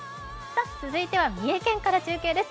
続いては三重県から中継です。